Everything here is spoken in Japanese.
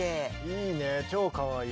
いいね超かわいい。